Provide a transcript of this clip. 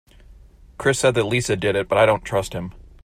Chris said that Lisa did it but I don’t trust him.